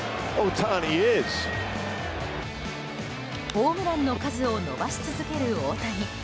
ホームランの数を伸ばし続ける大谷。